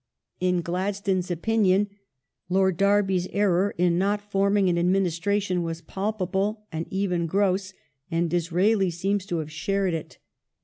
In Gladstone's opinion " Lord Derby's error in not forming an administration was palpable and even gross," and Disraeli seems to have shai ed it.